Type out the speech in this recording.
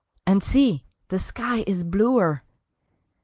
And see the sky is bluer!